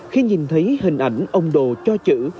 khi nhìn thấy hình ảnh ông đồ cho chữ